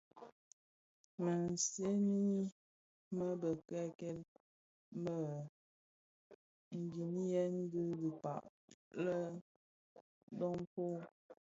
Mësëňi mË bikekel mèn ndheňiyên bi dhikpag lè dofon.